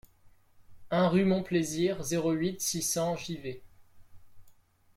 un rue Mon Plaisir, zéro huit, six cents, Givet